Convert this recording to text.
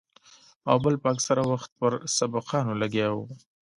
او بل به اکثره وخت پر سبقانو لګيا وو.